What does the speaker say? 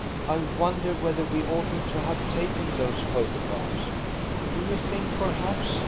I wonder whether we oughtn't to have taken those photographs." "Do you think perhaps